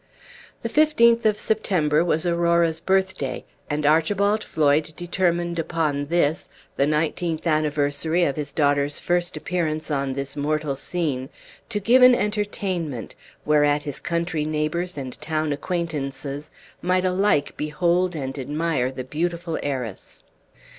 The fifteenth of September was Aurora's birthday, and Archibald Floyd determined, upon this, the nineteenth anniversary of his daughter's first appearance on this mortal scene, to give an entertainment, whereat his country neighbors and town acquaintance might alike behold and admire the beautiful heiress.